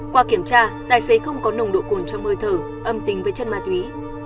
qua kiểm tra tài xế không có nồng độ cồn trong hơi thở âm tính với chất ma túy